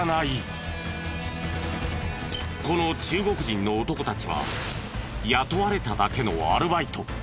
この中国人の男たちは雇われただけのアルバイト。